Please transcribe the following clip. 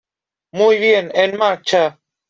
¡ Muy bien, en marcha!